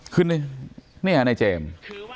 คือเนี่ยในเจมส์